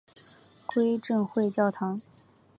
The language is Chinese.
归正会教堂。